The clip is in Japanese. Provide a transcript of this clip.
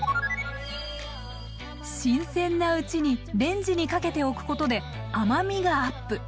新鮮なうちにレンジにかけておくことで甘みがアップ。